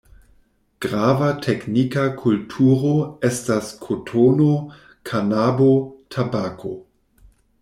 Grava teknika kulturo estas kotono, kanabo, tabako.